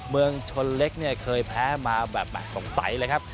เมืองชนเล็กเนี่ยเคยแพ้มาแบบสงสัยเลยครับ